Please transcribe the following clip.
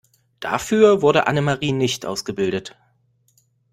Dafür wurde Annemarie nicht ausgebildet.